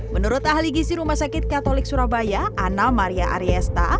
menurut ahli gisi rumah sakit katolik surabaya ana maria ariesta